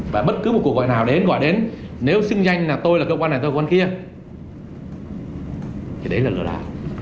và bất cứ một cuộc gọi nào đến gọi đến nếu xưng danh là tôi là cơ quan này tôi là cơ quan kia thì đấy là lừa đảo